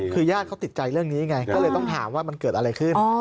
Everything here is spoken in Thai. คือญาติเขาติดใจเรื่องนี้ไงก็เลยต้องถามว่ามันเกิดอะไรขึ้น